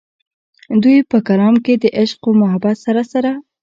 د دوي پۀ کلام کښې د عشق و محبت سره سره